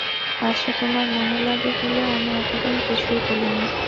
পাছে তোমার মনে লাগে বলে আমি এতদিন কিছুই বলি নি।